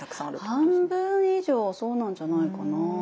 半分以上そうなんじゃないかなぁ。